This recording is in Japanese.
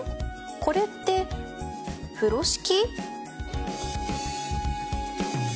これって風呂敷？